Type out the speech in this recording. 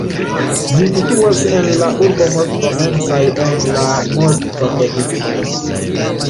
Ĝi situas en la urbo Moskvo mem kaj en la Moskva provinco.